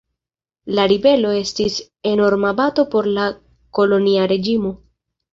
La ribelo estis enorma bato por la kolonia reĝimo.